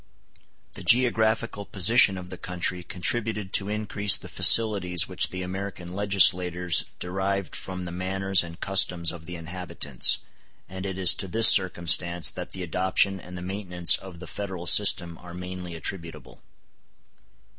The geographical position of the country contributed to increase the facilities which the American legislators derived from the manners and customs of the inhabitants; and it is to this circumstance that the adoption and the maintenance of the Federal system are mainly attributable.